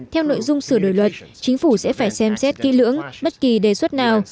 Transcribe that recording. theo nội dung sửa đổi luật chính phủ sẽ phải xem xét kỹ lưỡng bất kỳ đề xuất nào